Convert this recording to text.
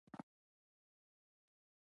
ناول لوستونکی هڅوي چې ودریږي.